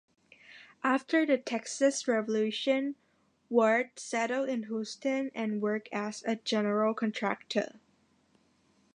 After the Texas Revolution Ward settled in Houston and worked as a general contractor.